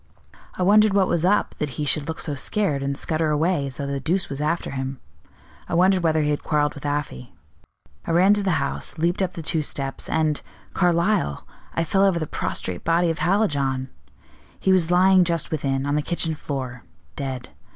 I wondered what was up that he should look so scared, and scutter away as though the deuce was after him; I wondered whether he had quarreled with Afy. I ran to the house, leaped up the two steps, and Carlyle I fell over the prostrate body of Hallijohn! He was lying just within, on the kitchen floor, dead.